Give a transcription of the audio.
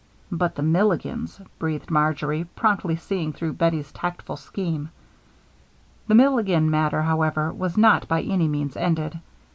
"But the Milligans," breathed Marjory, promptly seeing through Bettie's tactful scheme. The Milligan matter, however, was not by any means ended.